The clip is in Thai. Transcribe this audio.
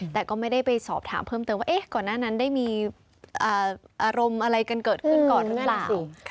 แต่ก็ไม่ได้ไปสอบถามเพิ่มเติมว่าก่อนหน้านั้นได้มีอารมณ์อะไรกันเกิดขึ้นก่อนหรือเปล่า